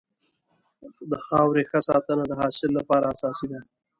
د خاورې ښه ساتنه د حاصل لپاره اساسي ده.